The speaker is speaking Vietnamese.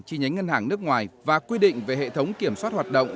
chi nhánh ngân hàng nước ngoài và quy định về hệ thống kiểm soát hoạt động